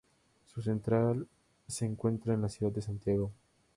Su central se encuentra en la ciudad de Santiago.